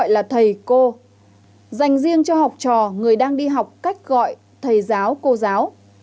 là thầy cô dành riêng cho học trò người đang đi học cách gọi thầy giáo cô giáo